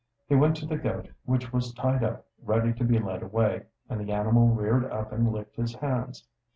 He went to the goat, which was tied up ready to be led away, and the animal reared up and licked his hands.